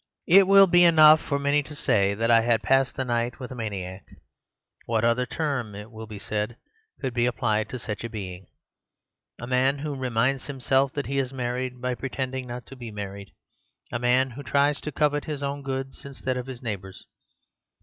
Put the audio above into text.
"It will be enough for many to say that I had passed a night with a maniac. What other term, it will be said, could be applied to such a being? A man who reminds himself that he is married by pretending not to be married! A man who tries to covet his own goods instead of his neighbor's!